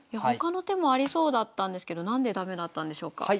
他の手もありそうだったんですけど何で駄目だったんでしょうか？